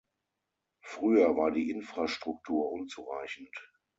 Früher war die Infrastruktur unzureichend.